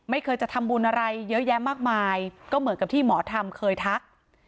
ไม่เคยจะทำบุญอะไรเยอะแยะมากมายก็เหมือนกับที่หมอทำเคยทัก